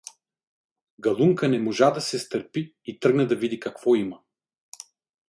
Галунка не можа да се стърпи и тръгна да види какво има.